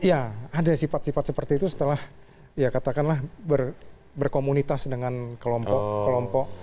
ya ada sifat sifat seperti itu setelah ya katakanlah berkomunitas dengan kelompok kelompok